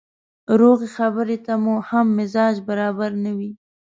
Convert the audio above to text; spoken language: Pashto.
روغې خبرې ته مو هم مزاج برابره نه وي.